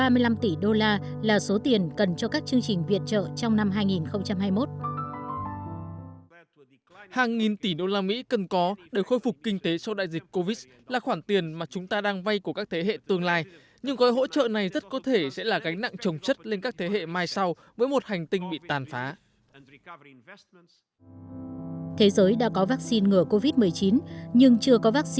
mỹ đã có vaccine ngừa covid một mươi chín nhưng chưa có vaccine chống biến đổi khí hậu